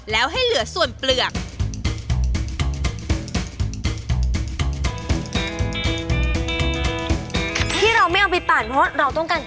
แล้วให้เหลือส่วนเปลือก